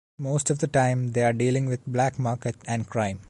Most of the time they are dealing with black market and crime.